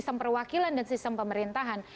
sistem perwakilan dan sistem pemerintahan